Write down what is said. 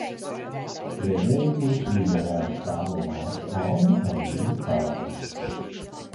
Vedēji būs Viļa radi tēva māsa Alma ar vīru Kārli.